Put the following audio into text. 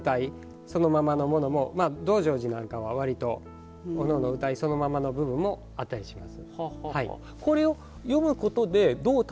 そのままのものも「道成寺」なんかは割とおのおののうたいそのままがあったりします。